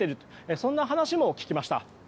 そんな話も聞きました。